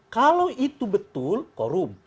kalau itu betul korum